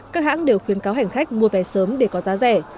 các hãng đều khuyến cáo hành khách mua vé sớm để có giá rẻ